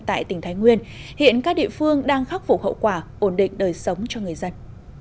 tại tỉnh thái nguyên hiện các địa phương đang khắc phục hậu quả ổn định đời sống cho người dân